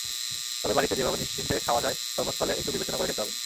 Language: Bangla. তবে বাড়িতে যেভাবে নিশ্চিন্তে খাওয়া যায়, কর্মস্থলে একটু বিবেচনা করে খেতে হবে।